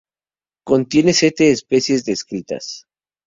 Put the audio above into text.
Contiene siete especies descritas.